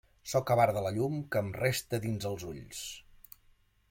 Sóc avar de la llum que em resta dins els ulls.